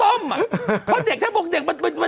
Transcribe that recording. ต้มอ่ะเพราะเด็กถ้าบอกเด็ก